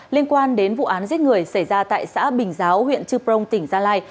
liên quan đến vụ án giết người xảy ra tại xã bình giáo huyện chư prong tỉnh gia lai